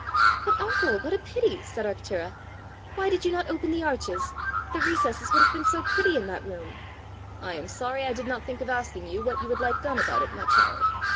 "But, uncle, what a pity!" said Arctura. "Why did you not open the arches? The recesses would have been so pretty in that room!" "I am sorry I did not think of asking you what you would like done about it, my child!